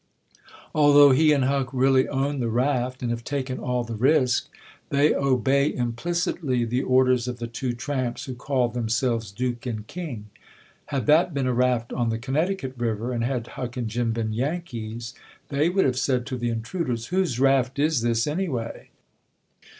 Although he and Huck really own the raft, and have taken all the risk, they obey implicitly the orders of the two tramps who call themselves Duke and King. Had that been a raft on the Connecticut River, and had Huck and Jim been Yankees, they would have said to the intruders, "Whose raft is this, anyway?"